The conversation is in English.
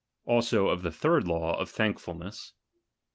Also of the third law, of thankfulness.